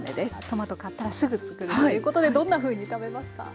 トマト買ったらすぐ作るということでどんなふうに食べますか？